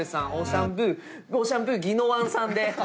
オーシャンブーぎのわんさんで。